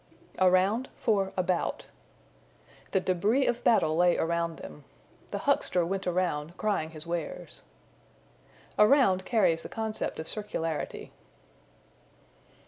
Around for About. "The débris of battle lay around them." "The huckster went around, crying his wares." Around carries the concept of circularity.